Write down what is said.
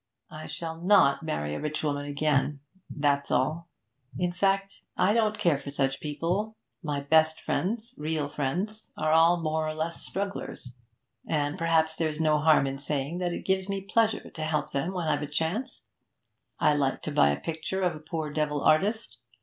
I shall not marry a rich woman again, that's all. In fact, I don't care for such people; my best friends, real friends, are all more or less strugglers, and perhaps there's no harm in saying that it gives me pleasure to help them when I've a chance. I like to buy a picture of a poor devil artist.